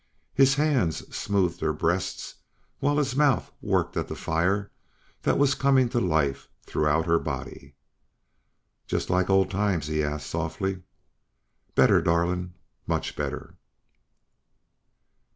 His hands smoothed her breasts while his mouth worked at the fire that was coming to life throughout her body. "Just like old times?" He asked, softly. "Better, darling ... much better."